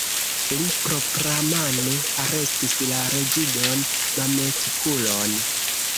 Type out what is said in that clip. Li propramane arestis la reĝidon Mametkulon.